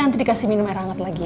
nanti dikasih minum air hangat lagi